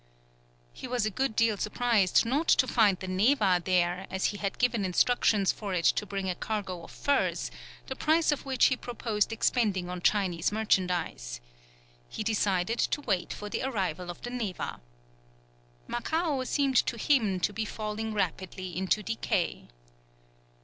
He was a good deal surprised not to find the Neva there, as he had given instructions for it to bring a cargo of furs, the price of which he proposed expending on Chinese merchandise. He decided to wait for the arrival of the Neva. Macao seemed to him to be falling rapidly into decay.